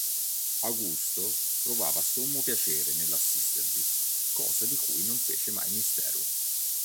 Augusto provava sommo piacere nell'assistervi, cosa di cui non fece mai mistero.